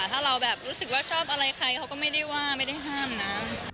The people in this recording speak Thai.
ถ้าเราแบบรู้สึกว่าชอบอะไรใครเขาก็ไม่ได้ว่าไม่ได้ห้ามนะ